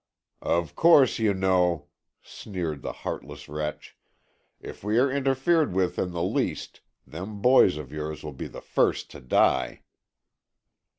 "Of course, you know," sneered the heartless wretch, "if we are interfered with in the least, them boys of yours will be the first to die."